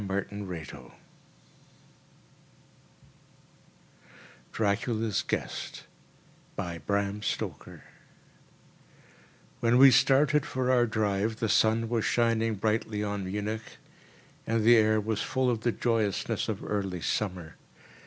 FLORENCE BRAM STOKER Dracula's Guest When we started for our drive the sun was shining brightly on Munich, and the air was full of the joyousness of early summer.